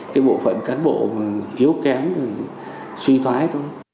cái bộ phận cán bộ hiếu kém suy thoái